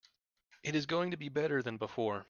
It is going to be better than before.